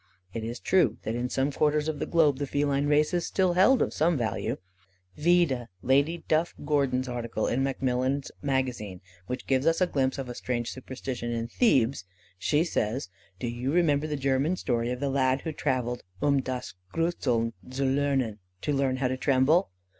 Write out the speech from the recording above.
It is true, that in some quarters of the globe, the feline race is still held of some value. Vide Lady Duff Gordon's Article in Macmillan's Magazine, which gives us a glimpse of a strange superstition in Thebes. She says: "Do you remember the German story of the lad who travelled 'um das gruseln zu lernen' (to learn how to tremble)?